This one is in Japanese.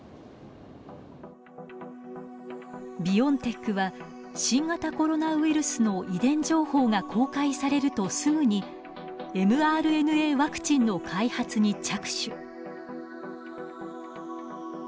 ビオンテックは新型コロナウイルスの遺伝情報が公開されるとすぐにｍＲＮＡワクチンの開発に着手。